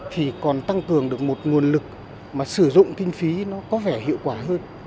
thì còn tăng cường được một nguồn lực mà sử dụng kinh phí nó có vẻ hiệu quả hơn